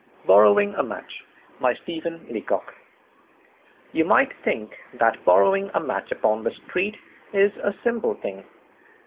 Borrowing a Match You might think that borrowing a match upon the street is a simple thing.